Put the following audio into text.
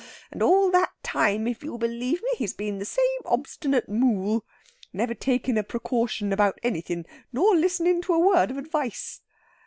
And all that time, if you believe me, he's been the same obstinate moole. Never takin' a precaution about anythin', nor listening to a word of advice!"